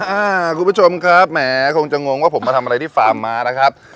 อ่าคุณผู้ชมครับแหมคงจะงงว่าผมมาทำอะไรที่ฟาร์มมานะครับ